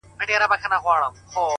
وران خو وراني كيسې نه كوي.